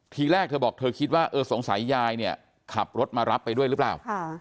ทีแรกเธอบอกเธอคิดว่าเออสงสัยยายเนี่ยขับรถมารับไปด้วยหรือเปล่า